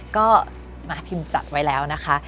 ก็มาพิมพ์จัดไว้แล้วนะคะ